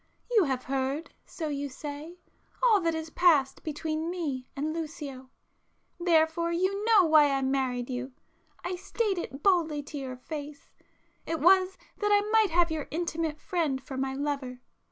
You have heard, so you say, all that has passed between me and Lucio,—therefore you know why I married you. I state it boldly to your face,—it was that I might have your intimate friend for my lover.